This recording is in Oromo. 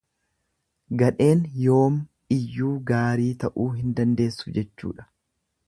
Gadheen yoom iyyuu gaarii ta'uu hin dandeessu jechuudha.